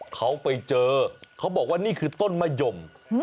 เขาไปเจอเขาบอกว่านี่คือต้นมะยม